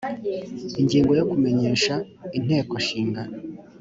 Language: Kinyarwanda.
ingingo ya kumenyesha inteko ishinga